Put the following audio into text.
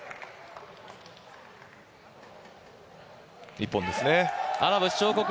一本ですね。